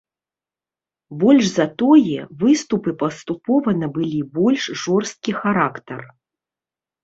Больш за тое, выступы паступова набылі больш жорсткі характар.